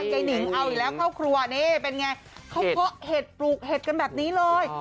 ใจหนิงเอาอีกแล้วเข้าครัวนี่เป็นไงเขาเพาะเห็ดปลูกเห็ดกันแบบนี้เลย